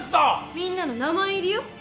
みんなの名前入りよ。